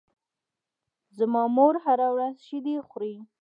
زما مور هره ورځ شیدې خوري.